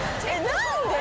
何で？